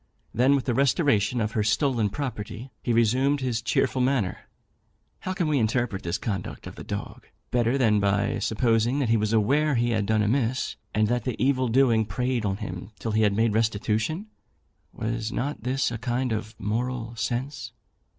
Then, with the restoration of her stolen property, he resumed his cheerful manner. How can we interpret this conduct of the dog, better than by supposing that he was aware he had done amiss, and that the evil doing preyed on him till he had made restitution? Was not this a kind of moral sense?